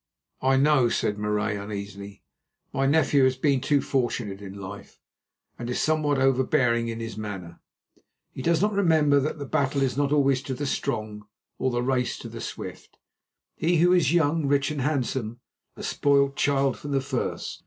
"I know," said Marais uneasily, "my nephew has been too fortunate in life, and is somewhat overbearing in his manner. He does not remember that the battle is not always to the strong or the race to the swift, he who is young and rich and handsome, a spoiled child from the first.